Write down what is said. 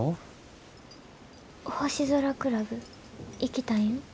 星空クラブ行きたいん？